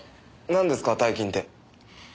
なんですか大金って？